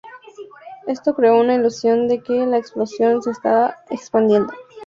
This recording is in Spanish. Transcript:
Esto creó una ilusión de que la explosión se estaba expandiendo.